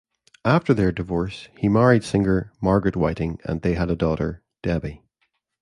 After their divorce, he married singer Margaret Whiting, and they had a daughter, Debbi.